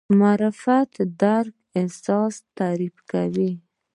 معرفت ادراک اساس تعریف کوي.